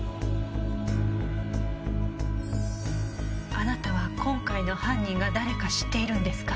あなたは今回の犯人が誰か知っているんですか？